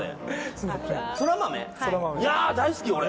や大好き俺。